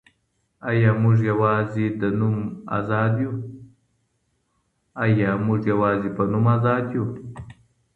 آیا موږ یوازې د نوم آزاد یو؟